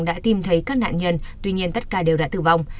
đã tìm thấy các nạn nhân tuy nhiên tất cả đều đã tử vong